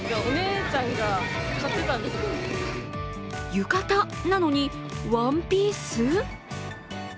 浴衣なのにワンピース？